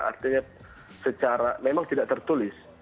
artinya secara memang tidak tertulis